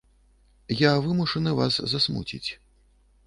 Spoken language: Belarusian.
Я вымушаны вас засмуціць.